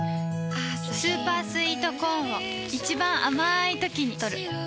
スーパースイートコーンを一番あまいときにとる